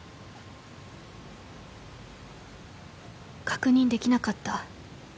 「確認できなかった」